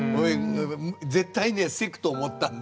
絶対ね急くと思ったんだ。